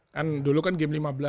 kan dulu kan game lima belas